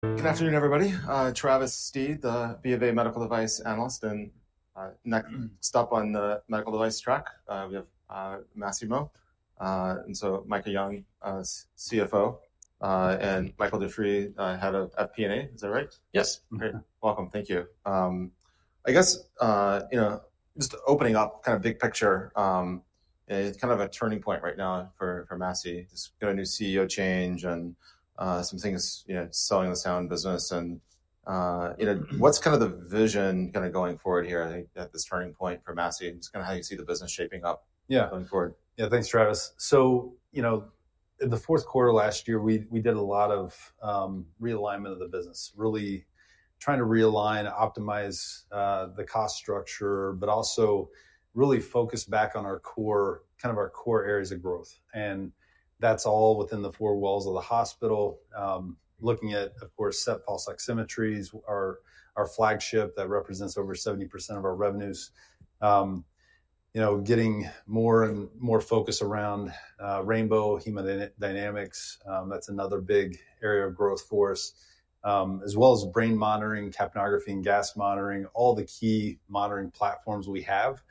Good afternoon, everybody. Travis Steed, the B of A Medical Device Analyst, and next stop on the medical device track. We have Masimo, and so Micah Young, CFO, and Michael Dufrey, Head of FP&A. Is that right? Yes. Great. Welcome. Thank you. I guess, you know, just opening up kind of big picture, it's kind of a turning point right now for Masimo. Just got a new CEO change and some things, you know, selling the sound business. You know, what's kind of the vision kind of going forward here at this turning point for Masimo? Just kind of how you see the business shaping up going forward. Yeah. Thanks, Travis. So, you know, in the fourth quarter last year, we did a lot of realignment of the business, really trying to realign, optimize the cost structure, but also really focus back on our core, kind of our core areas of growth. That is all within the four walls of the hospital, looking at, of course, SET pulse oximetry, our flagship that represents over 70% of our revenues, you know, getting more and more focus around Rainbow hemodynamics. That is another big area of growth for us, as well as brain monitoring, capnography, and gas monitoring, all the key monitoring platforms we have.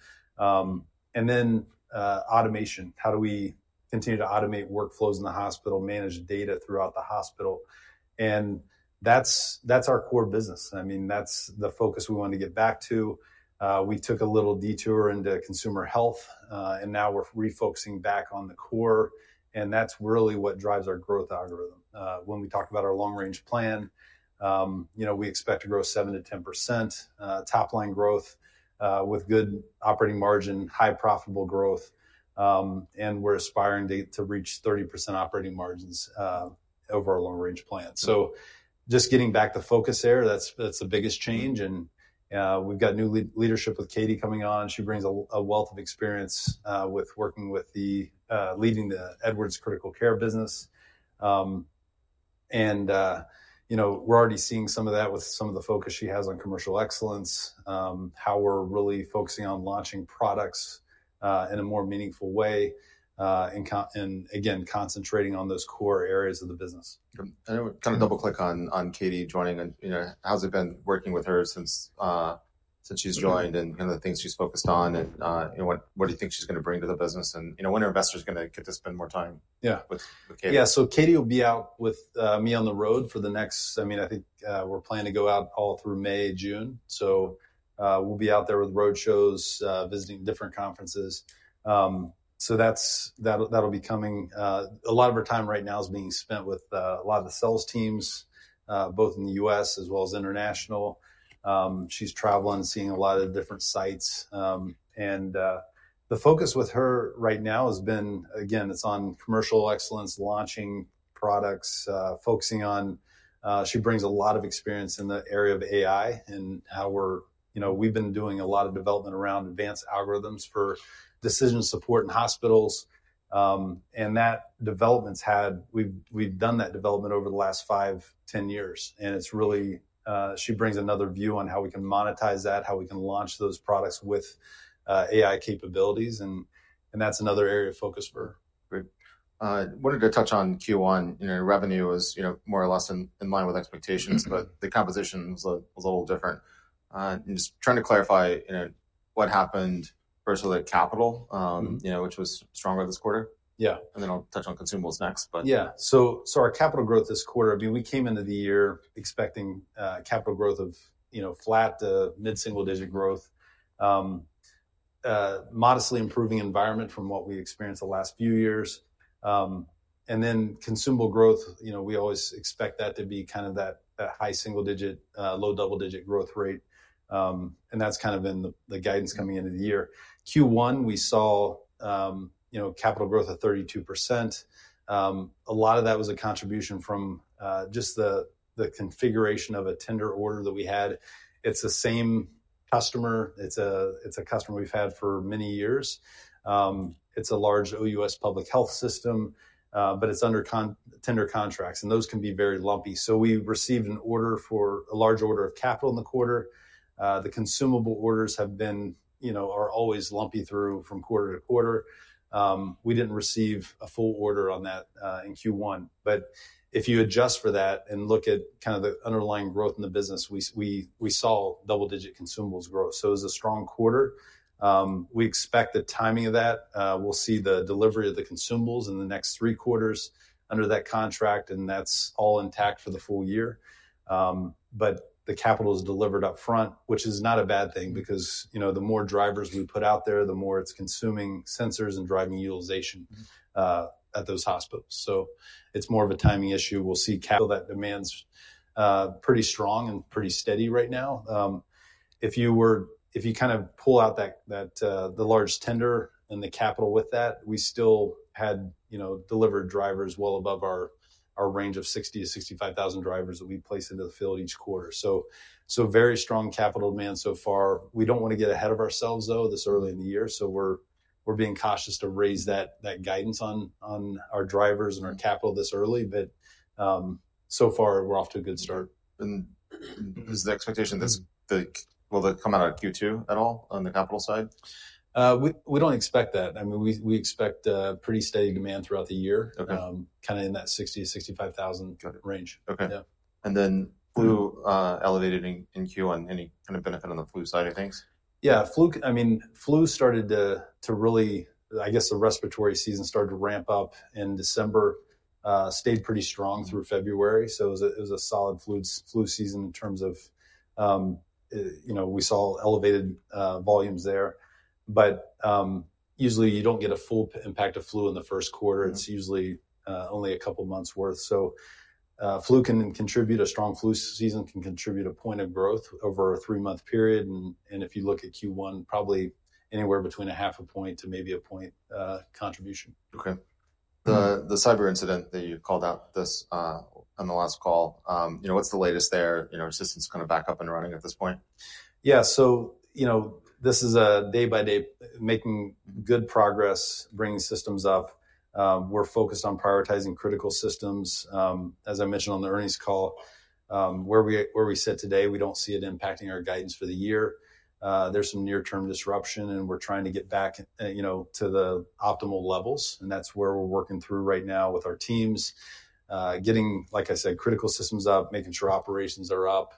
Then automation. How do we continue to automate workflows in the hospital, manage data throughout the hospital? That is our core business. I mean, that is the focus we want to get back to. We took a little detour into consumer health, and now we're refocusing back on the core. That's really what drives our growth algorithm. When we talk about our long-range plan, you know, we expect to grow 7%-10% top-line growth with good operating margin, high profitable growth. We're aspiring to reach 30% operating margins over our long-range plan. Just getting back to focus there, that's the biggest change. We've got new leadership with Katie coming on. She brings a wealth of experience with working with and leading the Edwards critical care business. You know, we're already seeing some of that with some of the focus she has on commercial excellence, how we're really focusing on launching products in a more meaningful way, and again, concentrating on those core areas of the business. I know we kind of double-click on Katie joining. You know, how's it been working with her since she's joined and kind of the things she's focused on, and what do you think she's going to bring to the business, and, you know, when are investors going to get to spend more time with Katie? Yeah, so Katie will be out with me on the road for the next, I mean, I think we're planning to go out all through May, June. We will be out there with road shows, visiting different conferences. That will be coming. A lot of her time right now is being spent with a lot of the sales teams, both in the U.S. as well as international. She's traveling, seeing a lot of different sites. The focus with her right now has been, again, it's on commercial excellence, launching products, focusing on, she brings a lot of experience in the area of AI and how we're, you know, we've been doing a lot of development around advanced algorithms for decision support in hospitals. That development's had, we've done that development over the last five, ten years. It is really, she brings another view on how we can monetize that, how we can launch those products with AI capabilities. That is another area of focus for her. Great. I wanted to touch on Q1, you know, revenue was, you know, more or less in line with expectations, but the composition was a little different. Just trying to clarify, you know, what happened versus the capital, you know, which was stronger this quarter. Yeah. I'll touch on consumables next. Yeah. So our capital growth this quarter, I mean, we came into the year expecting capital growth of, you know, flat to mid-single-digit growth, modestly improving environment from what we experienced the last few years. And then consumable growth, you know, we always expect that to be kind of that high single-digit, low double-digit growth rate. And that's kind of been the guidance coming into the year. Q1, we saw, you know, capital growth of 32%. A lot of that was a contribution from just the configuration of a tender order that we had. It's the same customer. It's a customer we've had for many years. It's a large OUS public health system, but it's under tender contracts, and those can be very lumpy. We received an order for a large order of capital in the quarter. The consumable orders have been, you know, are always lumpy from quarter to quarter. We did not receive a full order on that in Q1. If you adjust for that and look at kind of the underlying growth in the business, we saw double-digit consumables growth. It was a strong quarter. We expect the timing of that. We will see the delivery of the consumables in the next three quarters under that contract, and that is all intact for the full year. The capital is delivered upfront, which is not a bad thing because, you know, the more drivers we put out there, the more it is consuming sensors and driving utilization at those hospitals. It is more of a timing issue. We will see. That demand is pretty strong and pretty steady right now. If you were, if you kind of pull out that, the large tender and the capital with that, we still had, you know, delivered drivers well above our range of 60-65,000 drivers that we place into the field each quarter. Very strong capital demand so far. We do not want to get ahead of ourselves, though, this early in the year. We are being cautious to raise that guidance on our drivers and our capital this early. So far, we are off to a good start. Is the expectation that the, will the come out at Q2 at all on the capital side? We don't expect that. I mean, we expect pretty steady demand throughout the year, kind of in that 60-65,000 range. Okay. Flu elevated in Q1, any kind of benefit on the flu side, I think? Yeah, flu, I mean, flu started to really, I guess the respiratory season started to ramp up in December, stayed pretty strong through February. It was a solid flu season in terms of, you know, we saw elevated volumes there. Usually you don't get a full impact of flu in the first quarter. It's usually only a couple months' worth. Flu can contribute, a strong flu season can contribute a point of growth over a three-month period. If you look at Q1, probably anywhere between a half a point to maybe a point contribution. Okay. The cyber incident that you called out this on the last call, you know, what's the latest there? You know, systems kind of back up and running at this point? Yeah, so, you know, this is a day-by-day making good progress, bringing systems up. We're focused on prioritizing critical systems. As I mentioned on the earnings call, where we sit today, we don't see it impacting our guidance for the year. There's some near-term disruption, and we're trying to get back, you know, to the optimal levels. That's where we're working through right now with our teams, getting, like I said, critical systems up, making sure operations are up.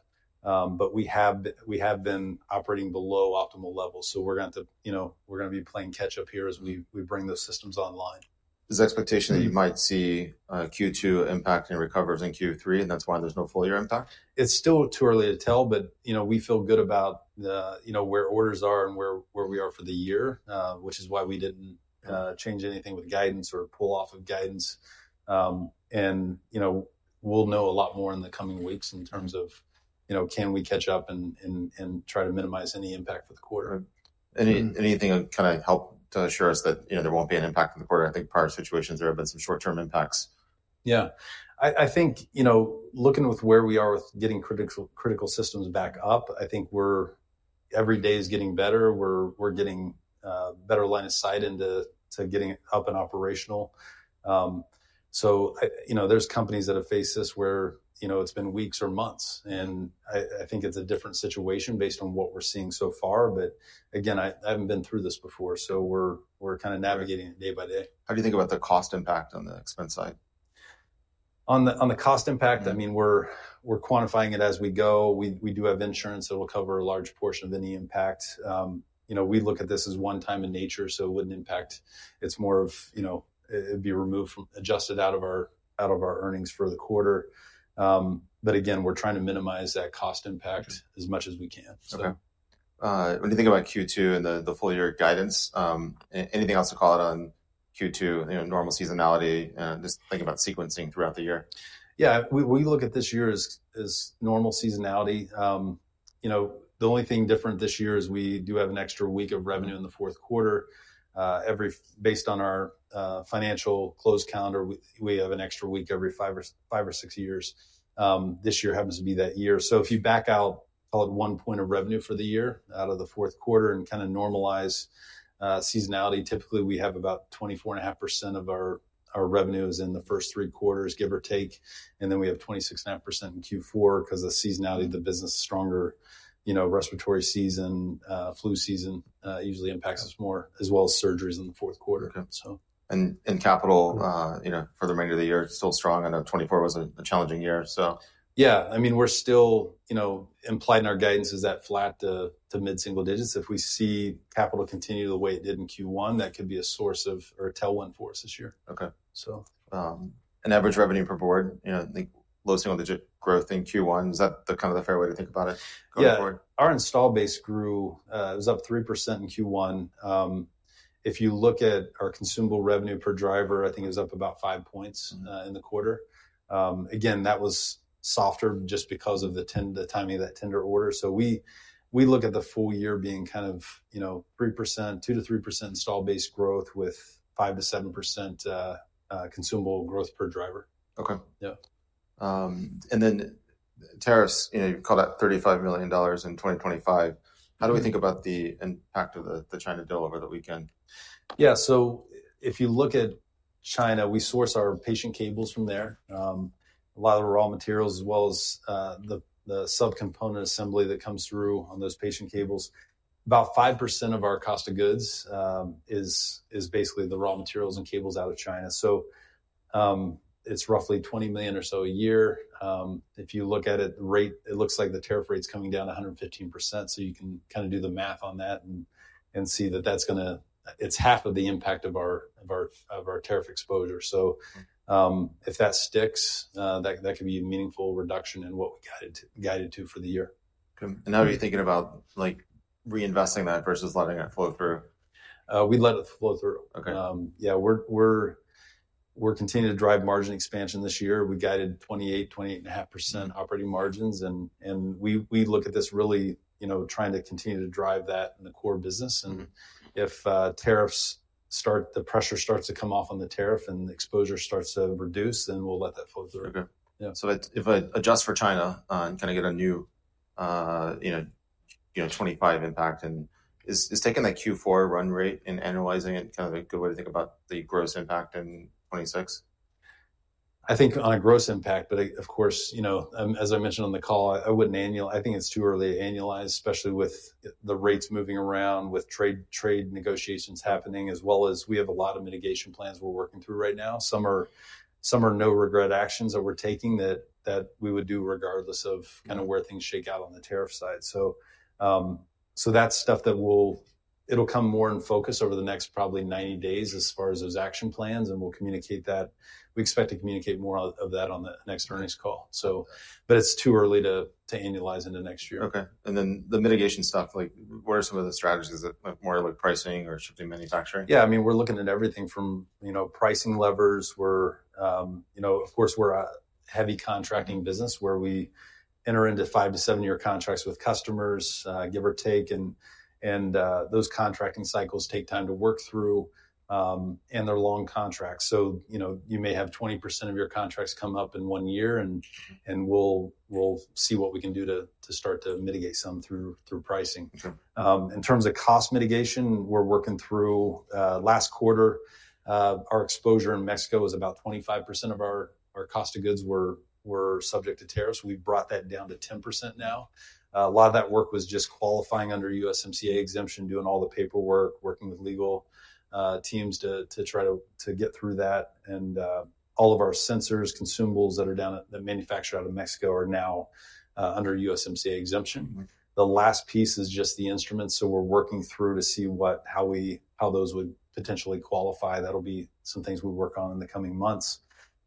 We have been operating below optimal levels. We're going to, you know, we're going to be playing catch-up here as we bring those systems online. Is the expectation that you might see Q2 impacting recovers in Q3, and that's why there's no full year impact? It's still too early to tell, but, you know, we feel good about, you know, where orders are and where we are for the year, which is why we did not change anything with guidance or pull off of guidance. You know, we will know a lot more in the coming weeks in terms of, you know, can we catch up and try to minimize any impact for the quarter. Anything to kind of help to assure us that, you know, there won't be an impact in the quarter? I think prior situations there have been some short-term impacts. Yeah. I think, you know, looking with where we are with getting critical systems back up, I think we're, every day is getting better. We're getting a better line of sight into getting up and operational. You know, there's companies that have faced this where, you know, it's been weeks or months. I think it's a different situation based on what we're seeing so far. Again, I haven't been through this before. We're kind of navigating it day by day. How do you think about the cost impact on the expense side? On the cost impact, I mean, we're quantifying it as we go. We do have insurance that will cover a large portion of any impact. You know, we look at this as one-time in nature, so it wouldn't impact. It's more of, you know, it'd be removed, adjusted out of our earnings for the quarter. Again, we're trying to minimize that cost impact as much as we can. Okay. When you think about Q2 and the full year guidance, anything else to call out on Q2, you know, normal seasonality, just think about sequencing throughout the year? Yeah, we look at this year as normal seasonality. You know, the only thing different this year is we do have an extra week of revenue in the fourth quarter. Every, based on our financial close calendar, we have an extra week every five or six years. This year happens to be that year. If you back out, call it one point of revenue for the year out of the fourth quarter and kind of normalize seasonality, typically we have about 24.5% of our revenues in the first three quarters, give or take. And then we have 26.5% in Q4 because the seasonality of the business is stronger. You know, respiratory season, flu season usually impacts us more, as well as surgeries in the fourth quarter. Okay. Capital, you know, for the remainder of the year, still strong. I know 2024 was a challenging year. Yeah, I mean, we're still, you know, implying our guidance is that flat to mid-single digits. If we see capital continue the way it did in Q1, that could be a source of, or a tailwind for us this year. Okay. And average revenue per board, you know, low single-digit growth in Q1. Is that kind of the fair way to think about it going forward? Yeah. Our install base grew, it was up 3% in Q1. If you look at our consumable revenue per driver, I think it was up about five points in the quarter. Again, that was softer just because of the timing of that tender order. We look at the full year being kind of, you know, 3%, 2-3% install base growth with 5%-7% consumable growth per driver. Okay. And then tariffs, you know, you call that $35 million in 2025. How do we think about the impact of the China deal over the weekend? Yeah, so if you look at China, we source our patient cables from there, a lot of the raw materials, as well as the subcomponent assembly that comes through on those patient cables. About 5% of our cost of goods is basically the raw materials and cables out of China. So it's roughly $20 million or so a year. If you look at it, the rate, it looks like the tariff rate's coming down to 115%. You can kind of do the math on that and see that that's going to, it's half of the impact of our tariff exposure. If that sticks, that could be a meaningful reduction in what we guided to for the year. Okay. How are you thinking about, like, reinvesting that versus letting it flow through? We'd let it flow through. Okay. Yeah, we're continuing to drive margin expansion this year. We guided 28%-28.5% operating margins. And we look at this really, you know, trying to continue to drive that in the core business. And if tariffs start, the pressure starts to come off on the tariff and exposure starts to reduce, then we'll let that flow through. Okay. So if I adjust for China and kind of get a new, you know, 25 impact, and is taking that Q4 run rate and annualizing it kind of a good way to think about the gross impact in 2026? I think on a gross impact, but of course, you know, as I mentioned on the call, I would not annualize. I think it is too early to annualize, especially with the rates moving around, with trade negotiations happening, as well as we have a lot of mitigation plans we are working through right now. Some are no regret actions that we are taking that we would do regardless of kind of where things shake out on the tariff side. That is stuff that will come more in focus over the next probably 90 days as far as those action plans. We will communicate that. We expect to communicate more of that on the next earnings call. It is too early to annualize into next year. Okay. And the mitigation stuff, like, what are some of the strategies that, more like pricing or shifting manufacturing? Yeah, I mean, we're looking at everything from, you know, pricing levers. We're, you know, of course, we're a heavy contracting business where we enter into five- to seven-year contracts with customers, give or take. Those contracting cycles take time to work through and they're long contracts. You may have 20% of your contracts come up in one year and we'll see what we can do to start to mitigate some through pricing. In terms of cost mitigation, we're working through last quarter, our exposure in Mexico was about 25% of our cost of goods were subject to tariffs. We've brought that down to 10% now. A lot of that work was just qualifying under USMCA exemption, doing all the paperwork, working with legal teams to try to get through that. All of our sensors, consumables that are down at the manufacturer out of Mexico are now under USMCA exemption. The last piece is just the instruments. We are working through to see how those would potentially qualify. That will be some things we work on in the coming months.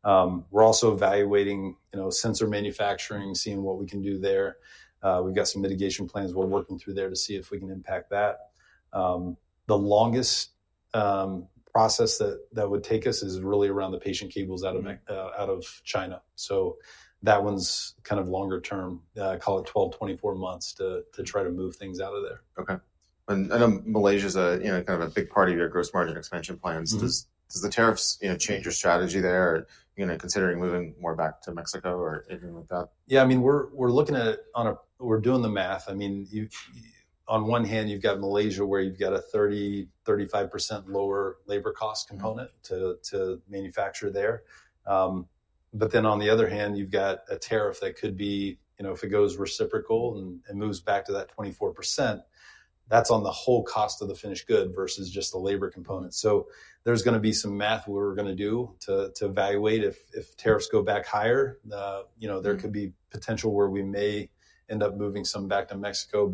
We are also evaluating, you know, sensor manufacturing, seeing what we can do there. We have got some mitigation plans we are working through there to see if we can impact that. The longest process that would take us is really around the patient cables out of China. That one is kind of longer term, call it 12months-24 months to try to move things out of there. Okay. I know Malaysia's a, you know, kind of a big part of your gross margin expansion plans. Does the tariffs, you know, change your strategy there? Are you going to consider moving more back to Mexico or anything like that? Yeah, I mean, we're looking at it on a, we're doing the math. I mean, on one hand, you've got Malaysia where you've got a 30%-35% lower labor cost component to manufacture there. But then on the other hand, you've got a tariff that could be, you know, if it goes reciprocal and moves back to that 24%, that's on the whole cost of the finished good versus just the labor component. So there's going to be some math we're going to do to evaluate if tariffs go back higher. You know, there could be potential where we may end up moving some back to Mexico.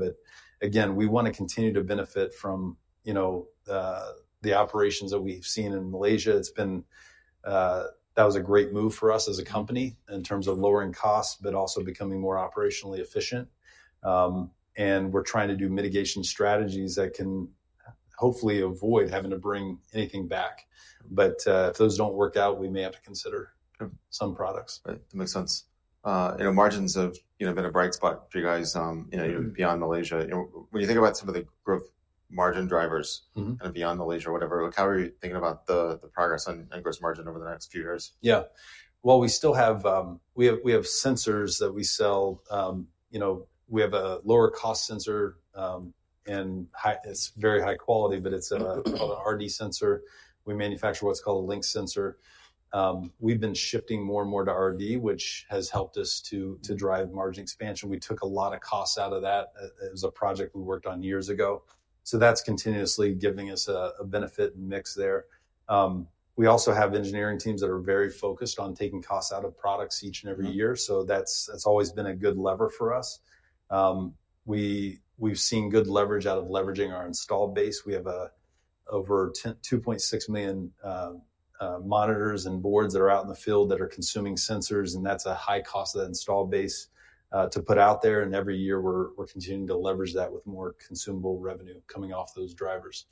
Again, we want to continue to benefit from, you know, the operations that we've seen in Malaysia. It's been, that was a great move for us as a company in terms of lowering costs, but also becoming more operationally efficient. We're trying to do mitigation strategies that can hopefully avoid having to bring anything back. If those do not work out, we may have to consider some products. That makes sense. You know, margins have, you know, been a bright spot for you guys, you know, beyond Malaysia. When you think about some of the gross margin drivers, kind of beyond Malaysia or whatever, how are you thinking about the progress on gross margin over the next few years? Yeah. We still have, we have sensors that we sell, you know, we have a lower cost sensor and it's very high quality, but it's called an RD sensor. We manufacture what's called a Link sensor. We've been shifting more and more to RD, which has helped us to drive margin expansion. We took a lot of costs out of that. It was a project we worked on years ago. That's continuously giving us a benefit mix there. We also have engineering teams that are very focused on taking costs out of products each and every year. That's always been a good lever for us. We've seen good leverage out of leveraging our install base. We have over 2.6 million monitors and boards that are out in the field that are consuming sensors. That's a high cost of the install base to put out there. Every year we're continuing to leverage that with more consumable revenue coming off those drivers.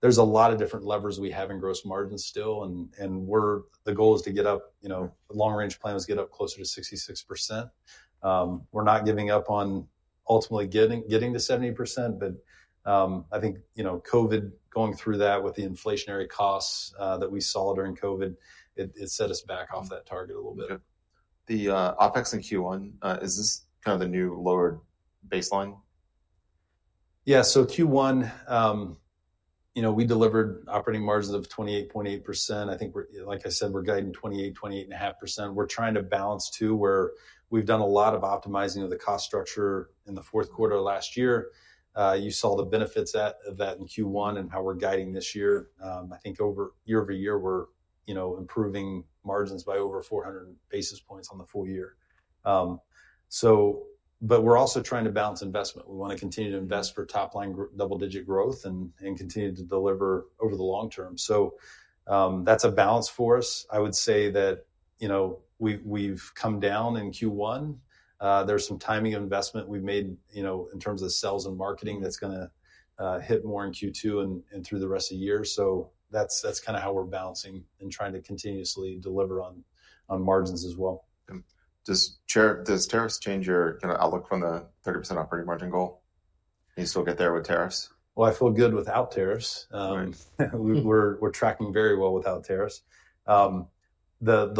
There are a lot of different levers we have in gross margins still. The goal is to get up, you know, long-range plans get up closer to 66%. We're not giving up on ultimately getting to 70%. I think, you know, COVID, going through that with the inflationary costs that we saw during COVID, set us back off that target a little bit. The OpEx in Q1, is this kind of the new lowered baseline? Yeah. So Q1, you know, we delivered operating margins of 28.8%. I think, like I said, we're guiding 28%-28.5%. We're trying to balance to where we've done a lot of optimizing of the cost structure in the fourth quarter of last year. You saw the benefits of that in Q1 and how we're guiding this year. I think over year over year, we're, you know, improving margins by over 400 basis points on the full year. So, but we're also trying to balance investment. We want to continue to invest for top-line double-digit growth and continue to deliver over the long term. So that's a balance for us. I would say that, you know, we've come down in Q1. There's some timing of investment we've made, you know, in terms of sales and marketing that's going to hit more in Q2 and through the rest of the year. That's kind of how we're balancing and trying to continuously deliver on margins as well. Do tariffs change your kind of outlook from the 30% operating margin goal? You still get there with tariffs? I feel good without tariffs. We're tracking very well without tariffs. The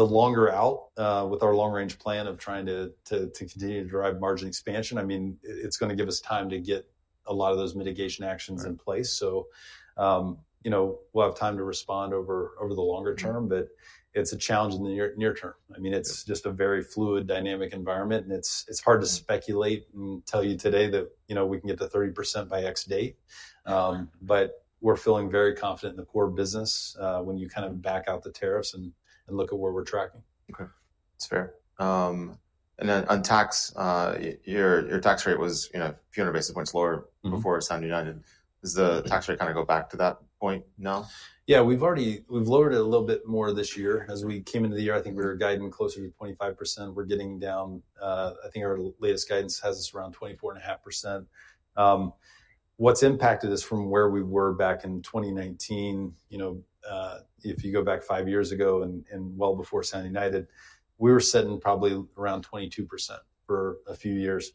longer out with our long-range plan of trying to continue to drive margin expansion, I mean, it's going to give us time to get a lot of those mitigation actions in place. You know, we'll have time to respond over the longer term, but it's a challenge in the near term. I mean, it's just a very fluid dynamic environment. It's hard to speculate and tell you today that, you know, we can get to 30% by X date. We're feeling very confident in the core business when you kind of back out the tariffs and look at where we're tracking. Okay. That's fair. And then on tax, your tax rate was, you know, a few hundred basis points lower before 79. Does the tax rate kind of go back to that point now? Yeah, we've already, we've lowered it a little bit more this year. As we came into the year, I think we were guiding closer to 25%. We're getting down, I think our latest guidance has us around 24.5%. What's impacted us from where we were back in 2019, you know, if you go back five years ago and well before 2019, we were sitting probably around 22% for a few years.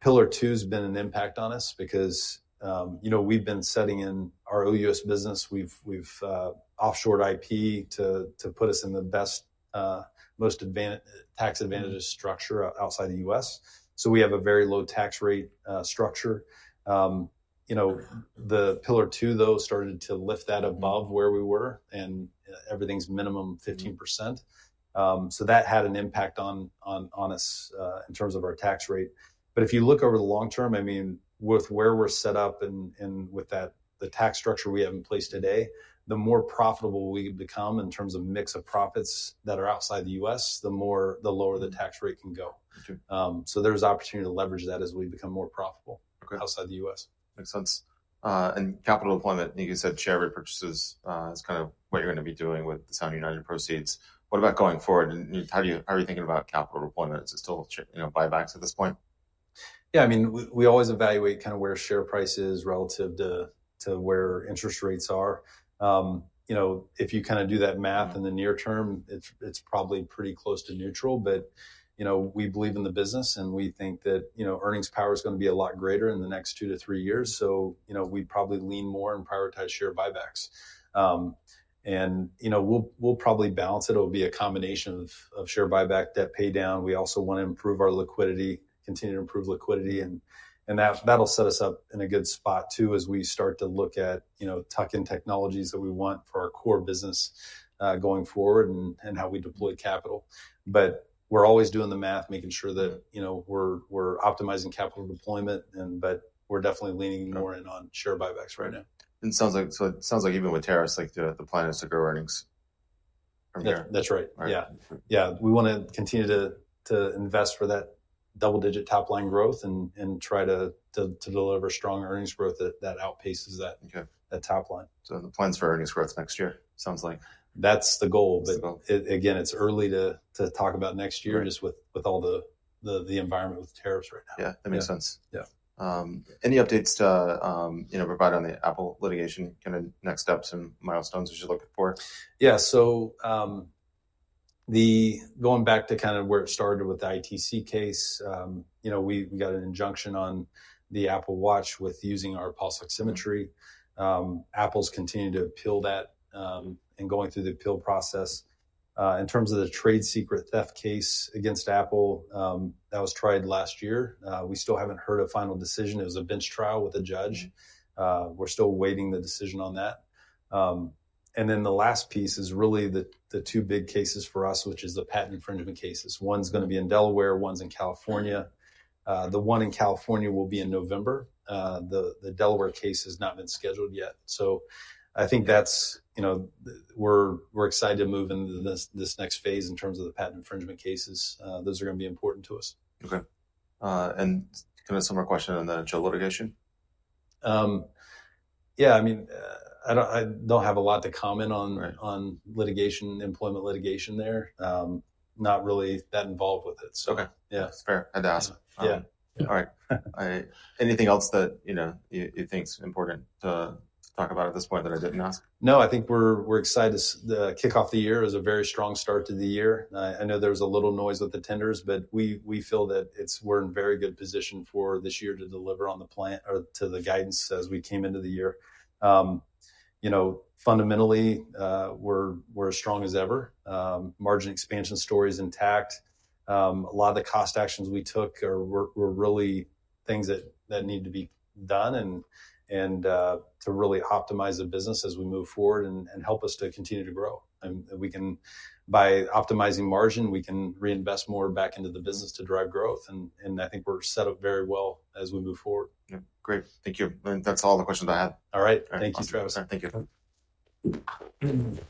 Pillar Two has been an impact on us because, you know, we've been setting in our OUS business. We've offshored IP to put us in the best, most tax advantageous structure outside the U.S. So we have a very low tax rate structure. You know, the Pillar Two, though, started to lift that above where we were and everything's minimum 15%. That had an impact on us in terms of our tax rate. If you look over the long term, I mean, with where we're set up and with the tax structure we have in place today, the more profitable we become in terms of mix of profits that are outside the U.S., the lower the tax rate can go. So there's opportunity to leverage that as we become more profitable outside the U.S. Makes sense. Capital deployment, you said share repurchases is kind of what you're going to be doing with the $79 proceeds. What about going forward? How are you thinking about capital deployment? Is it still buybacks at this point? Yeah, I mean, we always evaluate kind of where share price is relative to where interest rates are. You know, if you kind of do that math in the near term, it's probably pretty close to neutral. You know, we believe in the business and we think that, you know, earnings power is going to be a lot greater in the next two to three years. You know, we probably lean more and prioritize share buybacks. We'll probably balance it. It'll be a combination of share buyback, debt pay down. We also want to improve our liquidity, continue to improve liquidity. That'll set us up in a good spot too as we start to look at, you know, tuck in technologies that we want for our core business going forward and how we deploy capital. We're always doing the math, making sure that, you know, we're optimizing capital deployment. We're definitely leaning more in on share buybacks right now. It sounds like, even with tariffs, like the plan is to grow earnings. That's right. Yeah. Yeah, we want to continue to invest for that double-digit top-line growth and try to deliver strong earnings growth that outpaces that top line. The plans for earnings growth next year. Sounds like. That's the goal. Again, it's early to talk about next year just with all the environment with tariffs right now. Yeah, that makes sense. Yeah. Any updates to, you know, provide on the Apple litigation, kind of next steps and milestones as you're looking for? Yeah. So going back to kind of where it started with the ITC case, you know, we got an injunction on the Apple Watch with using our pulse oximetry. Apple's continued to appeal that and going through the appeal process. In terms of the trade secret theft case against Apple, that was tried last year. We still haven't heard a final decision. It was a bench trial with a judge. We're still waiting the decision on that. The last piece is really the two big cases for us, which is the patent infringement cases. One's going to be in Delaware, one's in California. The one in California will be in November. The Delaware case has not been scheduled yet. I think that's, you know, we're excited to move into this next phase in terms of the patent infringement cases. Those are going to be important to us. Okay. Kind of similar question on the Joe litigation. Yeah, I mean, I don't have a lot to comment on litigation, employment litigation there. Not really that involved with it. Okay. Yeah, that's fair. I had to ask. All right. Anything else that, you know, you think is important to talk about at this point that I didn't ask? No, I think we're excited to kick off the year. It was a very strong start to the year. I know there was a little noise with the tenders, but we feel that we're in very good position for this year to deliver on the plan or to the guidance as we came into the year. You know, fundamentally, we're as strong as ever. Margin expansion story is intact. A lot of the cost actions we took were really things that need to be done and to really optimize the business as we move forward and help us to continue to grow. We can, by optimizing margin, reinvest more back into the business to drive growth. I think we're set up very well as we move forward. Great. Thank you. That's all the questions I had. All right. Thank you, Travis. Thank you.